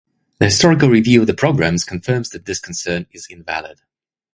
The historical review of the programs confirms that this concern is invalid.